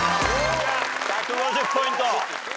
１５０ポイント。